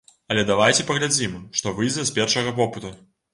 Але давайце паглядзім, што выйдзе з першага вопыту.